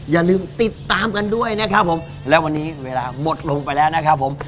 อย่าลืมติดตามกันด้วยนะครับผมและวันนี้เวลาหมดลงไปแล้วนะครับผม